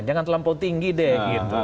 jangan terlampau tinggi deh